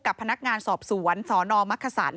กับพนักงานสอบสวนสนมักขสัน